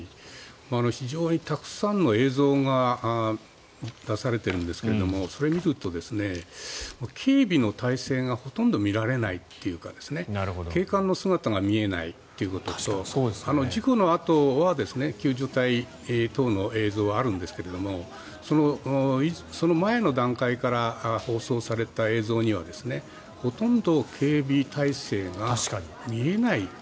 非常にたくさんの映像が出されているんですけどもそれを見ると、警備の態勢がほとんど見られないというか警官の姿が見えないということと事故のあとは救助隊等の映像はあるんですけどもその前の段階から放送された映像にはほとんど警備態勢が見えない。